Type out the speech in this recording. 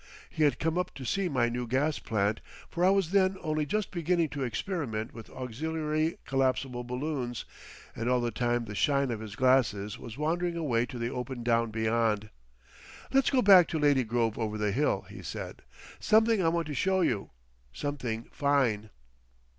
He had come up to see my new gas plant, for I was then only just beginning to experiment with auxiliary collapsible balloons, and all the time the shine of his glasses was wandering away to the open down beyond. "Let's go back to Lady Grove over the hill," he said. "Something I want to show you. Something fine!"